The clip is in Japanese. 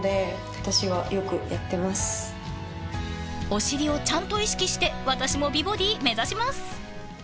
［お尻をちゃんと意識して私も美ボディー目指します！］